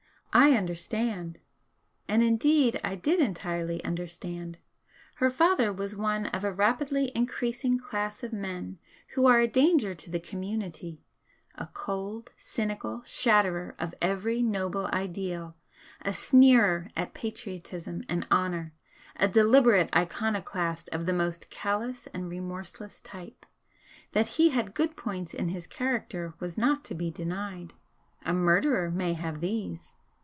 "I understand!" And indeed I did entirely understand. Her father was one of a rapidly increasing class of men who are a danger to the community, a cold, cynical shatterer of every noble ideal, a sneerer at patriotism and honour, a deliberate iconoclast of the most callous and remorseless type. That he had good points in his character was not to be denied, a murderer may have these.